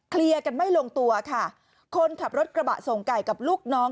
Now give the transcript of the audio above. เคลียร์กันไม่ลงตัวค่ะคนขับรถกระบะส่งไก่กับลูกน้อง